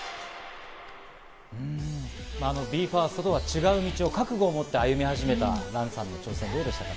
ＢＥ：ＦＩＲＳＴとは違う道を覚悟を持って歩み始めたＲＡＮさんの挑戦、どうでしたか？